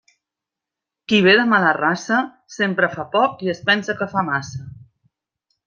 Qui ve de mala raça, sempre fa poc i es pensa que fa massa.